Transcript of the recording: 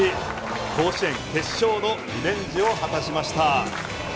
甲子園決勝のリベンジを果たしました。